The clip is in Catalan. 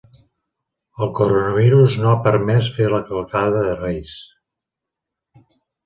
El coronavirus no ha permès fer la cavalcada de Reis.